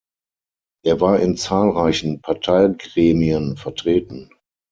Er war in zahlreichen Parteigremien vertreten.